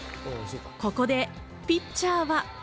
ここでピッチャーは。